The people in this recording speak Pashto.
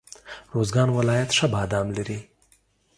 روزګان ولایت ښه بادام لري.